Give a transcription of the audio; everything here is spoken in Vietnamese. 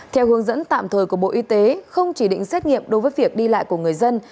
theo hướng dẫn tạm thời của bộ y tế không chỉ định xét nghiệm đối với việc đi lại của người dân